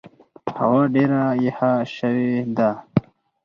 هوا ډېره یخه سوې ده.